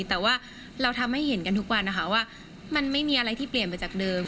แต่ว่าเราทำให้เห็นกันทุกวันนะคะว่ามันไม่มีอะไรที่เปลี่ยนไปจากเดิม